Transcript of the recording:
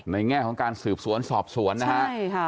ในแง่ของการสืบสวนสอบสวนนะฮะ